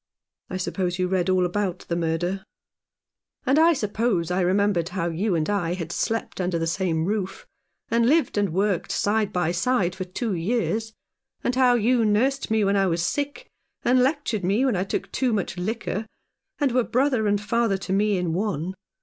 I suppose you read all about the murder ?" "And I suppose I remembered how you and I had slept under the same roof, and lived and worked side by side for two years, and how you nursed me when I was sick, and lectured me when I took too much liquor, and were brother and father to me in one.